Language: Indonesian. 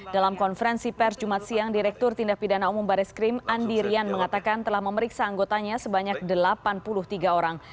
dalam konferensi pers jumat siang direktur tindak pidana umum baris krim andi rian mengatakan telah memeriksa anggotanya sebanyak delapan puluh tiga orang